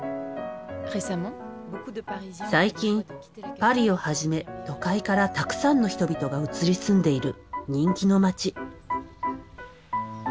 最近パリをはじめ都会からたくさんの人々が移り住んでいる人気の町。